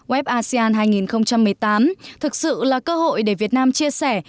web asean hai nghìn một mươi tám thực sự là cơ hội để việt nam chia sẻ